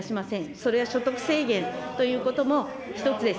それは所得制限ということも、１つです。